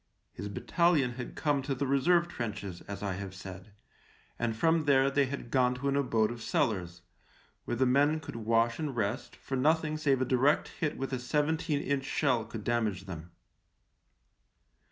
His battalion had come to the reserve trenches, as I have said, and from there they had gone to an abode of cellars, where the men could wash and rest, for nothing save a direct hit with a seventeen inch shell could damage them.